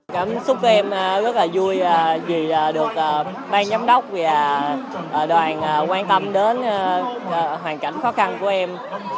cảm xúc em rất là vui vì được ban giám đốc và đoàn quan tâm đến hoàn cảnh khó khăn của em